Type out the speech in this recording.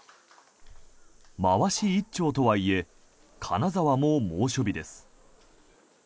まわし一丁とはいえ金沢も猛暑日です。